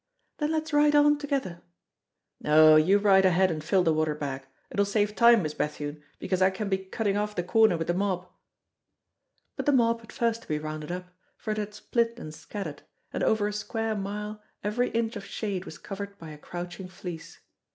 "Then let's ride on together." "No, you ride ahead and fill the water bag. It'll save time, Miss Bethune, because I can be cutting off the corner with the mob." But the mob had first to be rounded up, for it had split and scattered, and over a square mile every inch of shade was covered by a crouching fleece.